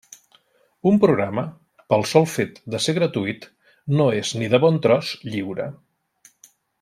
Un programa, pel sol fet de ser gratuït, no és ni de bon tros lliure.